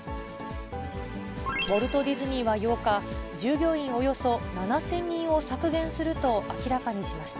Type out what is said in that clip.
ウォルト・ディズニーは８日、従業員およそ７０００人を削減すると明らかにしました。